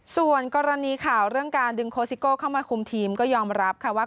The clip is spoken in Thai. ส่วนกรณีข่าวเรื่องการดึงโคสิโก้เข้ามาคุมทีมก็ยอมรับค่ะว่า